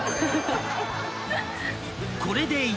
［これで］